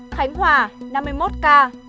khánh hòa năm mươi một ca